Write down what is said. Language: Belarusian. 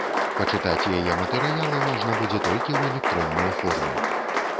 Пачытаць яе матэрыялы можна будзе толькі ў электроннай форме.